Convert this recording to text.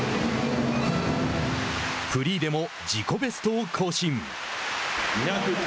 フリーでも自己ベストを更新。